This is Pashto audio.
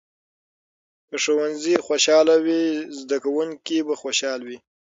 که ښوونځي خوشال وي، زده کوونکي به خوشحاله وي.